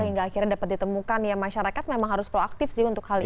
hingga akhirnya dapat ditemukan ya masyarakat memang harus proaktif sih untuk hal ini